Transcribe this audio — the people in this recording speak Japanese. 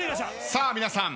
さあ皆さん